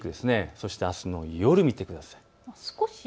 そしてあすの夜を見てください。